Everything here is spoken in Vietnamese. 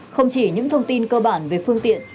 không chỉ những thông tin cơ bản về phương tiện